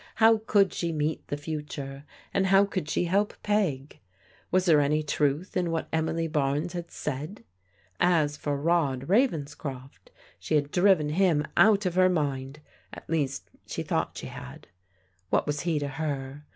How could she meet the future, and how could she help Peg? Was there any truth in what Emily Barnes had said? As for Rod Ravenscroft, she had driven him out of her mind, at least she thought she had. What was he to her?